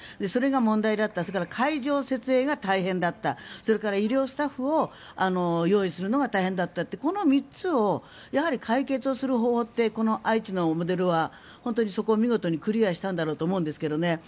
それが問題だったそれから会場設営が大変だったそれから医療スタッフを用意するのが大変だったというこの３つを解決する方法ってこの愛知のモデルはそこを見事にクリアしたんだろうと思うんですけどね。